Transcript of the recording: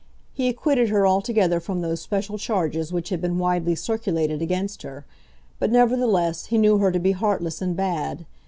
He acquitted her altogether from those special charges which had been widely circulated against her; but, nevertheless, he knew her to be heartless and bad.